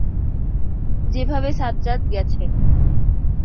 যেভাবে সাজ্জাদ গেছে।